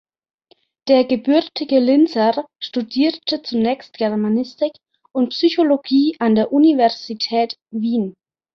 Der gebürtige Linzer studierte zunächst Germanistik und Psychologie an der Universität Wien.